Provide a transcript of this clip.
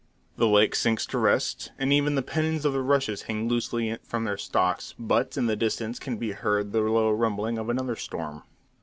The lake sinks to rest, and even the pennons of the rushes hang loosely from their stalks; but in the distance can be heard the low rumbling of another storm.